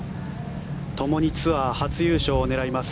ともにツアー初優勝を狙います。